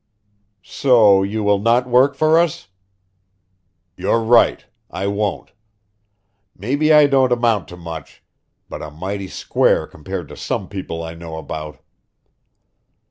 "So you will not work for us?" "You're right; I won't. Maybe I don't amount to much, but I'm mighty square compared to some people I know about."